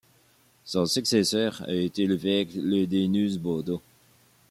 Son successeur a été l'évêque Leudinus Bodo.